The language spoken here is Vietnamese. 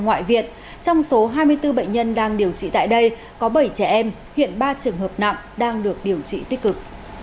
ngoại viện trong số hai mươi bốn bệnh nhân đang điều trị tại đây có bảy trẻ em hiện ba trường hợp nặng đang được điều trị tích cực